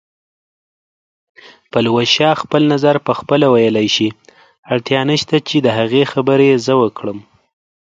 پلوشه خپل نظر پخپله ویلی شي، اړتیا نشته چې د هغې خبرې زه وکړم